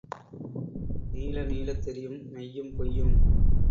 நீள நீளத் தெரியும் மெய்யும் பொய்யும்.